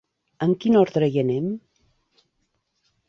En quin ordre hi anem?